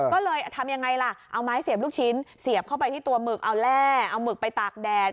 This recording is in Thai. ก็เลยทำยังไงล่ะเอาไม้เสียบลูกชิ้นเสียบเข้าไปที่ตัวหมึกเอาแร่เอาหมึกไปตากแดด